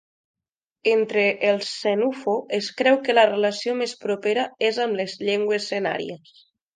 Entre els senufo, es creu que la relació més propera és amb les llengües senàries.